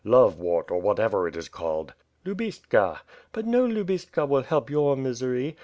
Love wort or whatever it is called." "Lubystka. But no lubystka will help your misery.